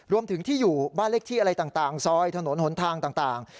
รวมถึงที่อยู่บ้านเลขที่อะไรต่างซอยถนนหนทางต่าง